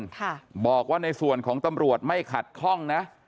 ค่ะบอกว่าในส่วนของตำรวจไม่ขัดข้องนะ